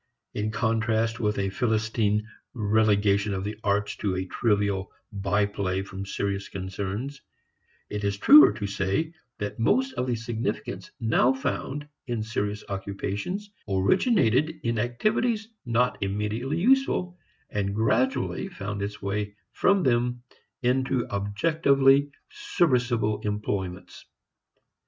In contrast with a Philistine relegation of the arts to a trivial by play from serious concerns, it is truer to say that most of the significance now found in serious occupations originated in activities not immediately useful, and gradually found its way from them into objectively serviceable employments.